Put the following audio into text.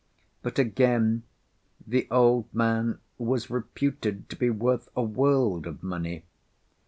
But again the old man was reputed to be worth a world of money.